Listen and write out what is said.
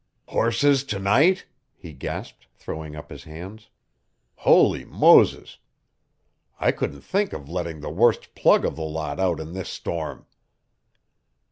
"Horses to night?" he gasped, throwing up his hands. "Holy Moses! I couldn't think of letting the worst plug of the lot out in this storm."